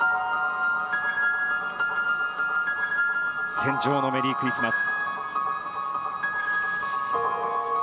「戦場のメリークリスマス」。